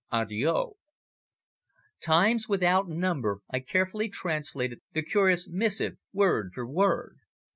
Addio." Times without number I carefully translated the curious missive word for word.